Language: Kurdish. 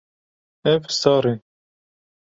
Ev sar e.